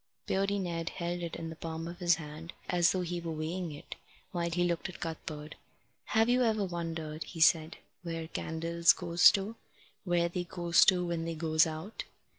Beardy Ned held it in the palm of his hand, as though he were weighing it, while he looked at Cuthbert. "Have you ever wondered," he said, "where candles goes to where they goes to when they goes out?"